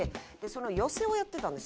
寄席をやってたんですよ